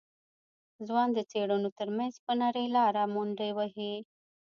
ځوان د څېړيو تر منځ په نرۍ لاره منډې وهلې.